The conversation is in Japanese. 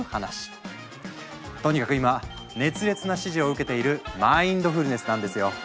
とにかく今熱烈な支持を受けているマインドフルネスなんですよ！